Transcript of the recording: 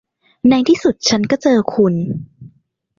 ในที่สุดฉันก็เจอคุณ